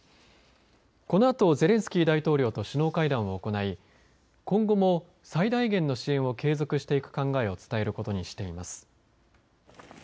このあとゼレンスキー大統領と首脳会談を行い今後も最大限の支援を継続していく考えを伝えることにしています。